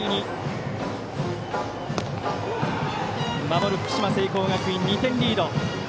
守る福島・聖光学院は２点リード。